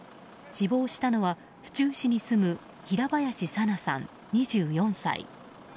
死亡したのは府中市に住む平林さなさん、２４歳。